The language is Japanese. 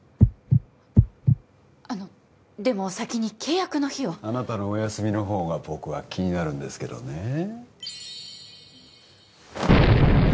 あのでも先に契約の日をあなたのお休みのほうが僕は気になるんですけどね